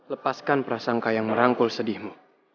lepaskan prasangka yang merangkul sedihmu